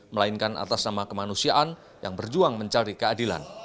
melainkan atas nama kemanusiaan yang berjuang mencari keadilan